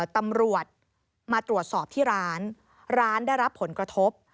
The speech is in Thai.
ตำรวจมาตรวจสอบที่ร้านร้านได้รับผลกระทบ